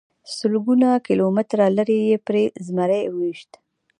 سلګونه کیلومتره لرې یې پرې زمری وويشت.